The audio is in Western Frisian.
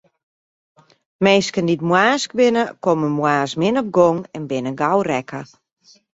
Minsken dy't moarnsk binne, komme moarns min op gong en binne gau rekke.